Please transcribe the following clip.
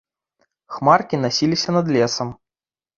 Хмаркі насіліся над лесам.